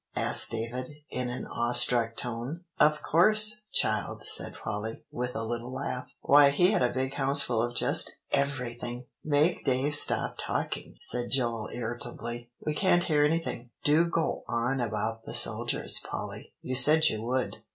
asked David, in an awe struck tone. "Of course, child," said Polly, with a little laugh. "Why, he had a big house full of just everything." "Make Dave stop talking," said Joel irritably; "we can't hear anything. Do go on about the soldiers, Polly; you said you would."